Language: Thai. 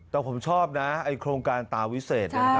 แต่ผมชอบนะไอ้โครงการตาวิเศษ